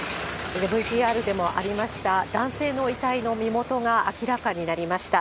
ＶＴＲでもありました、男性の遺体の身元が明らかになりました。